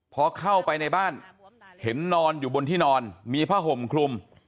พอเข้าไปในบ้านเห็นนอนอยู่บนที่นอนมีผ้าห่มคลุม